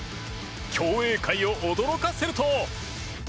競泳界を驚かせると。